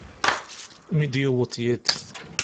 Mi d-yewweḍ yiḍ.